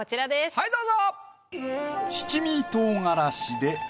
はいどうぞ！